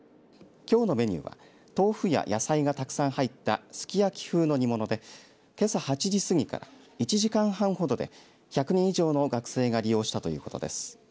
きょうのメニューは豆腐や野菜がたくさん入ったすき焼き風の煮物でけさ８時過ぎから１時間半ほどで１００人以上の学生が利用したということです。